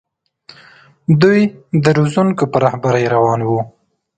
دوی د روزونکو په رهبرۍ روان وو.